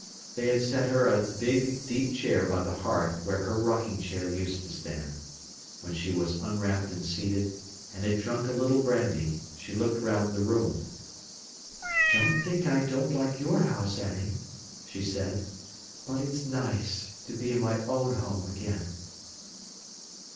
They had set her a big, deep chair by the hearth where her rocking chair used to stand. When she was unwrapped and seated, and had drunk a little brandy, she looked round the room. "Don't think I don't like your house, Annie," she said; "but it's nice to be in my own home again."